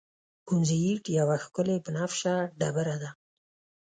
کونزیټ یوه ښکلې بنفشه ډبره ده.